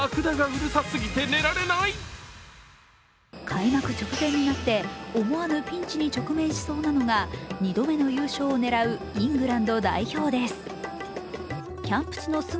開幕直前になって思わぬピンチに直面しそうなのが２度目の優勝を狙うイングランド代表です。